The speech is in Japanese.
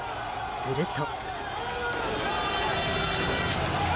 すると。